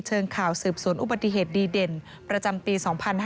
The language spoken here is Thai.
เชิงข่าวสืบสวนอุบัติเหตุดีเด่นประจำปี๒๕๕๙